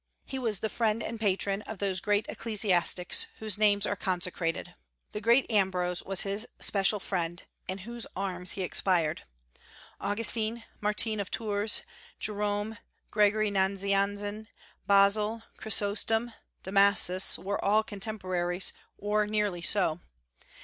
He was the friend and patron of those great ecclesiastics whose names are consecrated. The great Ambrose was his special friend, in whose arms he expired. Augustine, Martin of Tours, Jerome, Gregory Nazianzen, Basil, Chrysostom, Damasus, were all contemporaries, or nearly so.